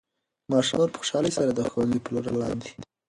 ماشومان په خوشحالۍ سره د ښوونځي په لور روان دي.